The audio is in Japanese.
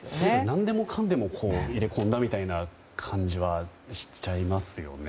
何でもかんでも入れ込んだみたいな感じはしちゃいますよね。